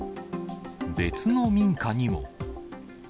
別の民家にも。